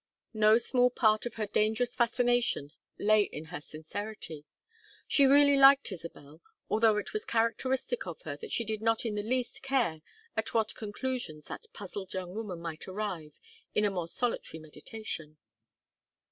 No small part of her dangerous fascination lay in her sincerity. She really liked Isabel, although it was characteristic of her that she did not in the least care at what conclusions that puzzled young woman might arrive in a more solitary meditation.